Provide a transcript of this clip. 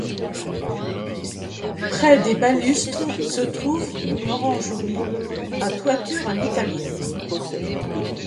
Près des balustres se trouve une orangerie à toitures à l'italienne.